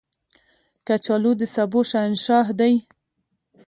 کچالو د سبو شهنشاه دی